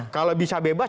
kalau bisa bebas